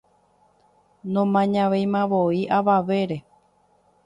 nomañavéimavoi avavére